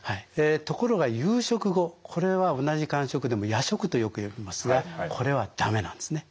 ところが夕食後これは同じ間食でも夜食とよく呼びますがこれは駄目なんですね。